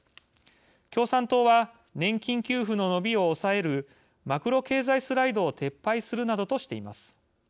「共産党」は年金給付の伸びを抑えるマクロ経済スライドを撤廃するなどとしています。